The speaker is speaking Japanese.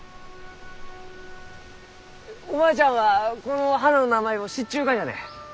おばあちゃんはこの花の名前を知っちゅうがじゃね！